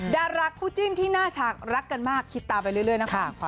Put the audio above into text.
ดาราคู่จิ้นที่หน้าฉากรักกันมากคิดตามไปเรื่อยนะคุณ